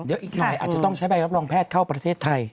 เดี๋ยวอีกหน่อยอาจจะต้องใช้ใบรับรองแพทย์เข้าประเทศไทย